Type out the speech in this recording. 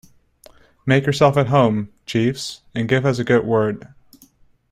Make yourself at home, Jeeves, and give us the good word.